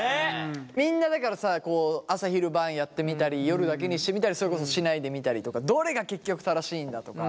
みんなだからさ朝昼晩やってみたり夜だけにしてみたりそれこそしないでみたりとかどれが結局正しいんだとか。